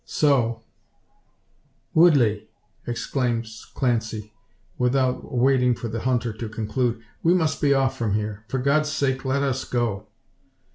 So " "Woodley!" exclaims Clancy, without waiting for the hunter to conclude; "we must be off from here. For God's sake let us go!"